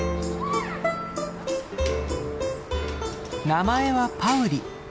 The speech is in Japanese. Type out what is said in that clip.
名前はパウリ。